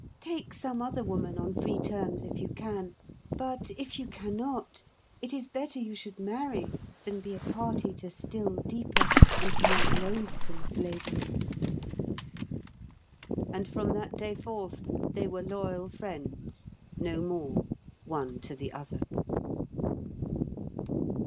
Take some other woman on free terms if you can; but if you cannot, it is better you should marry than be a party to still deeper and more loathsome slavery." And from that day forth they were loyal friends, no more, one to the other.